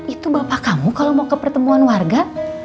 itu bapak kamu kalau mau ke pertemuan warga